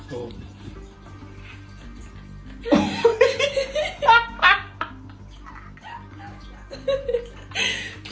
กูช่วยกินมาก